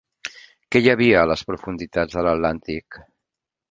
Què hi havia a les profunditats de l'Atlàntic?